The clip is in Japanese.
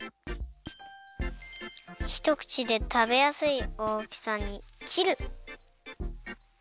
ひとくちでたべやすいおおきさにきる。